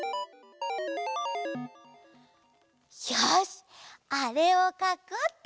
よしあれをかこうっと！